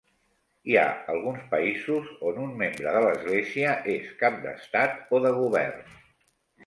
Hi ha alguns països on un membre de l'Església és cap d'Estat o de govern.